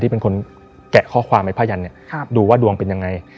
ที่เป็นคนแกะข้อความใหม่พยันดูว่าดวงเป็นอย่างไร